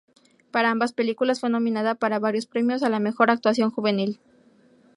Para ambas películas, fue nominada para varios premios a la mejor actuación juvenil.